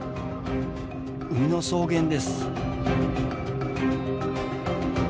海の草原です。